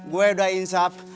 gue udah insap